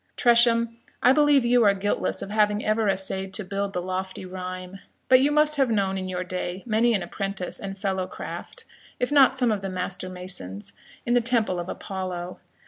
Tresham, I believe you are guiltless of having ever essayed to build the lofty rhyme; but you must have known in your day many an apprentice and fellow craft, if not some of the master masons, in the temple of Apollo.